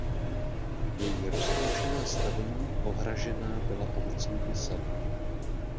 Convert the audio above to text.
Její roztroušená stavení ohražená byla ovocnými sady.